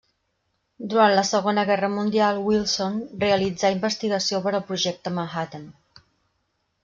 Durant la Segona Guerra Mundial, Wilson realitzà investigació per al Projecte Manhattan.